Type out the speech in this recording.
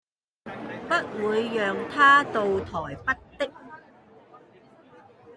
不會讓他到台北的